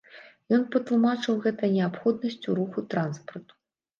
Ён патлумачыў гэта неабходнасцю руху транспарту.